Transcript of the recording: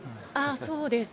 そうですか。